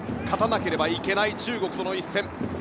勝たなければいけない中国との一戦。